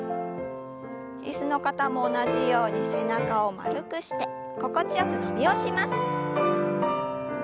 椅子の方も同じように背中を丸くして心地よく伸びをします。